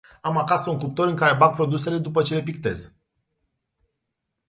Am acasă un cuptor în care bag produsele după ce le pictez.